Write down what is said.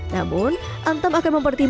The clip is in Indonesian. namun antam akan memperdayakan